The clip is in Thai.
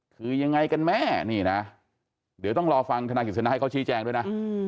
คือยังไงกันแม่นี่นะเดี๋ยวต้องรอฟังธนายกิจสนะให้เขาชี้แจงด้วยนะ